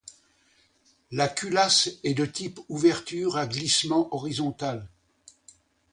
La culasse est de type ouverture à glissement horizontal.